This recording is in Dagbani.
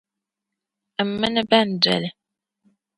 M mini bɛn doli.